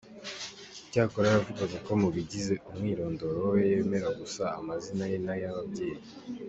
Cyakora yavugaga ko mu bigize umwirondoro we, yemera gusa amazina ye n'ay'ababyeyi.